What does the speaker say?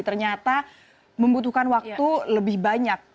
ternyata membutuhkan waktu lebih banyak